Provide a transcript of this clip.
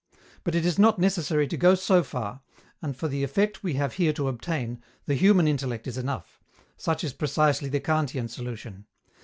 But it is not necessary to go so far, and, for the effect we have here to obtain, the human intellect is enough: such is precisely the Kantian solution.